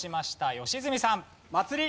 良純さん。